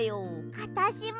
あたしも。